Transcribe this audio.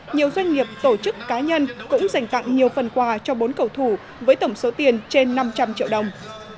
nhiều doanh nghiệp tổ chức cá nhân cũng dành tặng nhiều phần quà cho bốn cầu thủ với tổng số tiền trên năm trăm linh triệu đồng